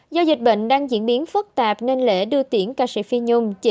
do dịch bệnh đang diễn biến phức tạp nên lễ đưa tiễn ca sĩ phi nhung